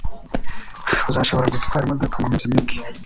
Uzashobora gutwara imodoka muminsi mike.